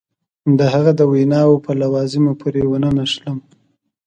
د هغه د ویناوو په لوازمو پورې ونه نښلم.